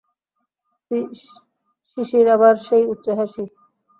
সিসির আবার সেই উচ্চ হাসি।